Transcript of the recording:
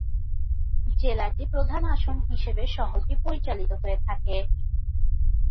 জেলাটি প্রধান আসন হিসাবে শহরটি পরিচালিত হয়ে থাকে।